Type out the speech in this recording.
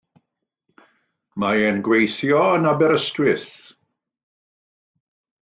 Mae e'n gweithio yn Aberystwyth.